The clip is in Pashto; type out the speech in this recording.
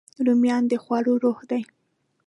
رومیان د خوړو روح دي